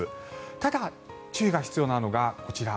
ただ、注意が必要なのがこちら。